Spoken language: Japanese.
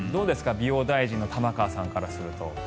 美容大臣の玉川さんからすると。